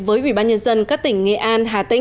với ubnd các tỉnh nghệ an